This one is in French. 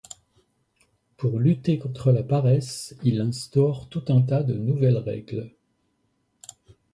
Pour lutter contre la paresse, il instaure tout un tas de nouvelles règles.